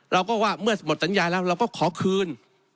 เราก็ว่าเมื่อหมดสัญญาแล้วเราก็ขอคืน